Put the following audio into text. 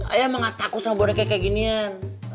ayah mah nggak takut sama boneka kayak ginian